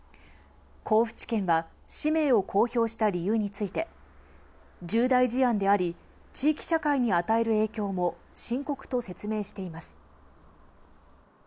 甲府地検は、氏名を公表した理由について、重大事案であり、地域社会に与える影響も深刻と説明しています。